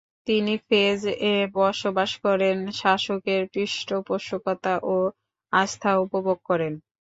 তিনি ফেজ-এ বসবাস করেন, শাসকের পৃষ্ঠপোষকতা ও আস্থা উপভোগ করেন।